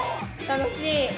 楽しい？